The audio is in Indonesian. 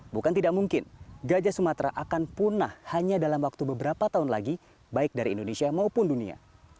bukan tidak mungkin gajah sumatera akan punah hanya dalam waktu beberapa tahun lagi baik dari indonesia maupun dunia